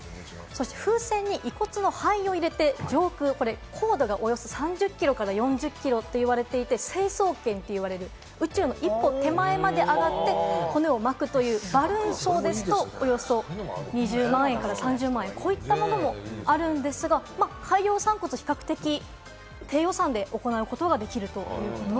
風船に遺骨の灰を入れて上空、高度およそ３０キロから４０キロって言われていて、成層圏といわれる宇宙の一歩手前まで上がって、骨を撒くというバルーン葬ですと、およそ２０万円から３０万円、こういったものもあるんですが、海洋散骨、比較的、低予算で行うことができるということです。